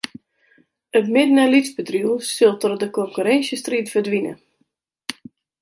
It midden- en lytsbedriuw sil troch de konkurrinsjestriid ferdwine.